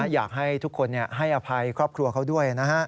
อยากให้ทุกคนให้อภัยครอบครัวเขาด้วย